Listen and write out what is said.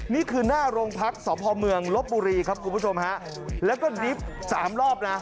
นี่คือหน้าลงพักสพลบบุรีครับคุณผู้ชมฮะแล้วก็ริฟต์๓รอบนะ